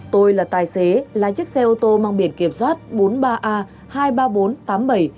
tôi là tài xế là chiếc xe ô tô mang biển kiểm soát bốn mươi ba a hai mươi ba nghìn bốn trăm tám mươi bảy